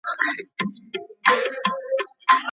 که زده کوونکی وهڅول سي نو ناممکن کارونه ممکنوي.